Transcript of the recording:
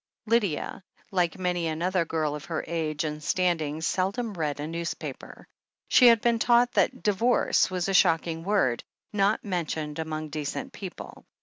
Lydia, like many another girl of her age and stand ing, seldom read a newspaper. She had been taught that "divorce" was a shocking word, not mentioned among decent people.